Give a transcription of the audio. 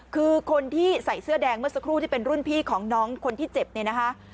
คือคนที่ใส่เสื้อแดงเมื่อสักครู่ที่เป็นรุ่นพี่ของน้องคนที่เจ็บเนี่ยนะคะ